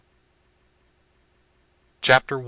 W. CHAPTER I.